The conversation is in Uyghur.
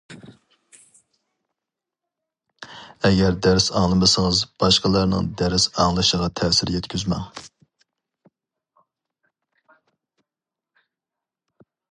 ئەگەر دەرس ئاڭلىمىسىڭىز باشقىلارنىڭ دەرس ئاڭلىشىغا تەسىر يەتكۈزمەڭ!